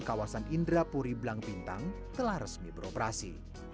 kawasan indrapuri blangpintang telah resmi beroperasi